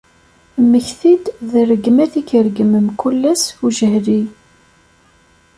Mmekti-d d rregmat i k-ireggem mkul ass ujehli.